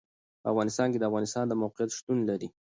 په افغانستان کې د افغانستان د موقعیت شتون لري.